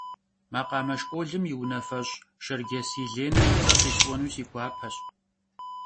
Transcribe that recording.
Makhame şşkolım yi vunafeş' Şşerces Yêlêne yi ts'er khis'uenu si guapeş.